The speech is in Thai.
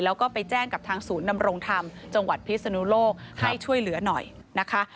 แล้วก็ไปแจ้งกับทางศูนย์นำรงธรรมจังหวัดพิศนุโลกให้ช่วยเหลือหน่อยนะคะ